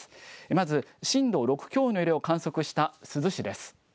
まず震度６強の揺れを観測した珠洲市です。